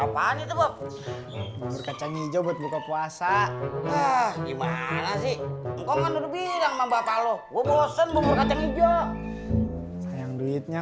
sampai jumpa di video selanjutnya